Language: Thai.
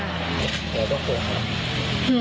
แล้วก็คงห่วง